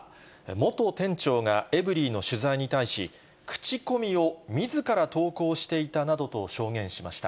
元店長がエブリィの取材に対し、口コミをみずから投稿していたなどと証言しました。